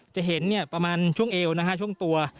จะเห็นเนี่ยประมาณช่วงเอวนะครับช่วงตัว